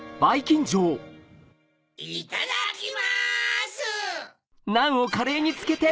いただきます！